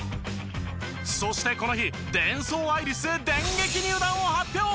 そしてこの日デンソーアイリス電撃入団を発表！